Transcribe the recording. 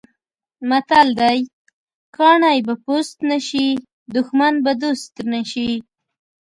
متل دی: کاڼی به پوست نه شي، دښمن به دوست نه شي.